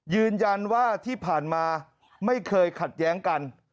ยืนยันว่าที่ผ่านมาไม่เคยขัดแย้งกัน